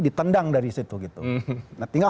ditendang dari situ gitu nah tinggal